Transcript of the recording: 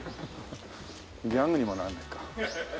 ギャグにもならねえか。